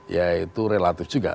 ya itu relatif juga